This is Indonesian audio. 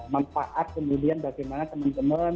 manfaat kemudian bagaimana teman teman